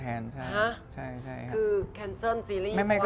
ตอนแรกยาวกว่านี้แล้วเพิ่งตัดได้๒อาทิตย์มั้งค่ะ